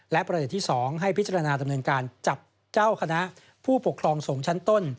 และประเด็นที่๒ให้พิจารณาดำเนินการจับเจ้าคณะผู้ปกครองสงฆ์ชั้นต้น